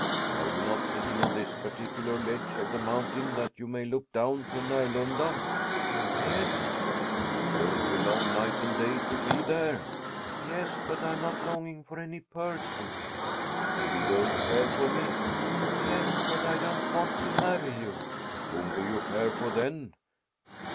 "Are you not sitting on this particular ledge of the mountain that you may look down to Närlunda?" "Yes." "Don't you long night and day to be there?" "Yes, but I'm not longing for any person." "And you don't care for me?" "Yes, but I don't want to marry you." "Whom do you care for, then?"